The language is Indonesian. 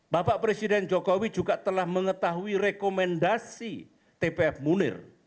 bapak presiden jokowi juga telah mengetahui rekomendasi tpf munir